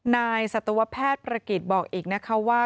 สัตวแพทย์ประกิจบอกอีกนะคะว่า